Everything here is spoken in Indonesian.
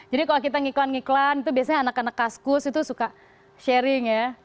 jadi kalau kita ngiklan ngiklan itu biasanya anak anak kaskus itu suka sharing ya